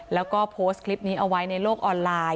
แล้วก็โพสต์คลิปนี้เอาไว้ในโลกออนไลน์